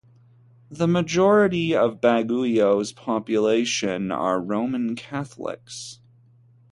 The majority of Baguio's population are Roman Catholics.